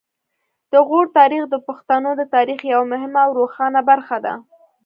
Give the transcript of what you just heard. د غور تاریخ د پښتنو د تاریخ یوه مهمه او روښانه برخه ده